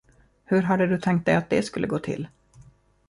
Hur hade du tänkt dig att det skulle gå till?